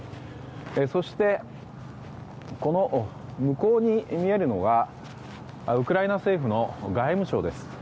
そして、向こうに見えるのがウクライナ政府の外務省です。